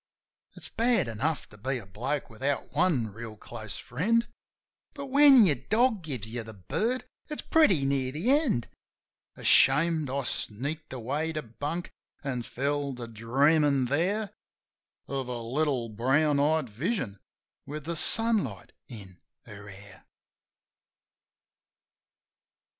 It's bad enough to be a bloke without one reel close friend; But when your dog gives you the bird it's pretty near the end. Ashamed, I sneaked away to bunk; an' fell to dreamin' there Of a little brown eyed vision with the sunlight in her hair.